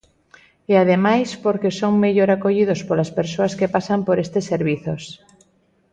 E ademais porque son mellor acollidos polas persoas que pasan por estes servizos.